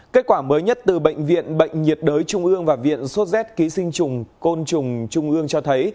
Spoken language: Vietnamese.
kết quả mới nhất từ bệnh viện bệnh nhiệt đới trung ương và viện sốt z ký sinh trùng côn trùng trung ương cho thấy